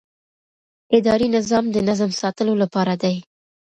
اداري نظام د نظم ساتلو لپاره دی.